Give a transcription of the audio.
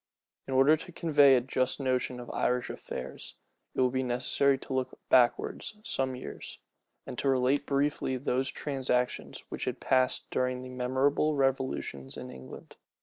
In order to convey a just notion of Irish affairs, it will be necessary to look backwards some years, and to relate briefly those transactions which had passed during the memorable revolutions in England.